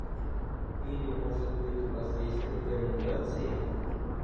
Или, может быть, у вас есть рекомендация?